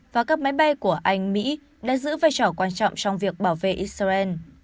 và các máy bay của anh mỹ đã giữ vai trò quan trọng trong việc bảo vệ israel